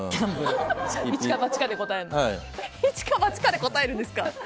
イチかバチかで答えるんですか？